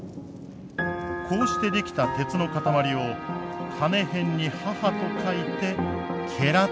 こうして出来た鉄の塊を金偏に母と書いてと呼ぶ。